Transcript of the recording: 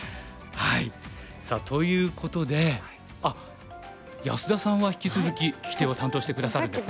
さあということであっ安田さんは引き続き聞き手を担当して下さるんですね。